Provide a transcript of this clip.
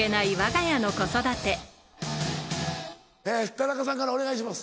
田中さんからお願いします。